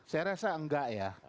saya rasa enggak ya